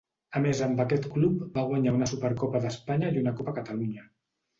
A més amb aquest club va guanyar una Supercopa d'Espanya i una Copa Catalunya.